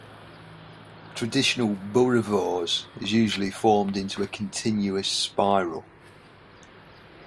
Traditional boerewors is usually formed into a continuous spiral.